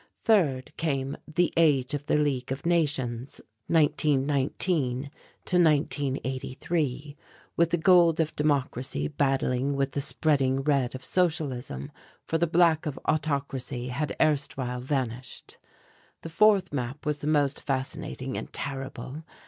Third came "The Age of the League of Nations, 1919 1983," with the gold of democracy battling with the spreading red of socialism, for the black of autocracy had erstwhile vanished. The fourth map was the most fascinating and terrible.